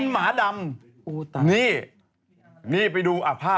ไปเรื่องนี้ดีกว่า